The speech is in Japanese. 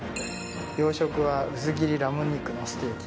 洋食は薄切りラム肉のステーキ。